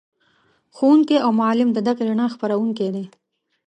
ښوونکی او معلم د دغې رڼا خپروونکی دی.